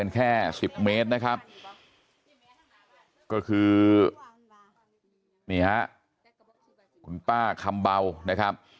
ก็คือเนี่ยคุณป้าคำเบานะครับ